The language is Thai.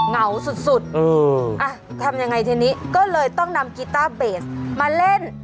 เหงาสุดอ่ะทำยังไงทีนี้ก็เลยต้องนำกีต้าเบสมาเล่น